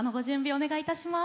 お願いします。